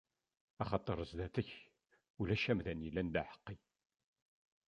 Axaṭer zdat-k, ulac amdan yellan d aḥeqqi.